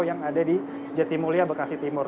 yang ada di jatimulia bekasi timur